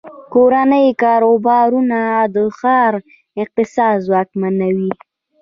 کورني کاروبارونه د ښار اقتصاد ځواکمنوي.